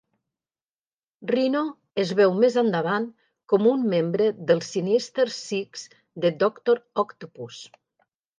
Rhino és veu més endavant com un membre dels Sinister Six de Doctor Octopus.